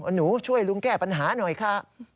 หนูช่วยลุงแก้ปัญหาหน่อยค่ะ